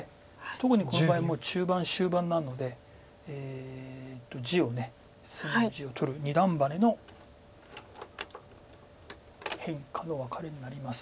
特にこの場合もう中盤終盤なので隅の地を取る二段バネの変化のワカレになります。